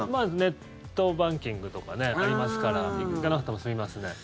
ネットバンキングとかありますから行かなくても済みますね。